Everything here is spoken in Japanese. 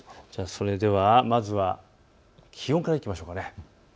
それではまずは気温からいきましょう。